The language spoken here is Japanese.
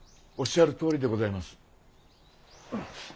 おっしゃるとおりでございます。